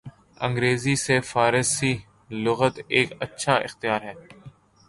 انگریزی سے فارسی لغت ایک اچھا اختیار ہے